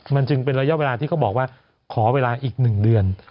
มันจึงเป็นระยะเวลาที่เขาบอกว่าขอเวลาอีก๑เดือน